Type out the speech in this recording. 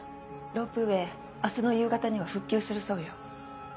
ロープウエー明日の夕方には復旧するそうよ。